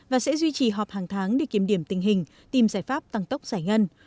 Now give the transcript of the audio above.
và sẽ duy trì họp hàng tháng để kiểm điểm tình hình tìm giải pháp tăng tốc giải ngân